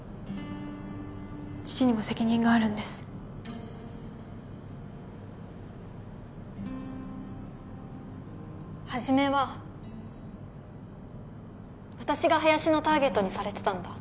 父にも責任があるんです初めは私が林のターゲットにされてたんだ